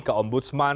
ke om budsman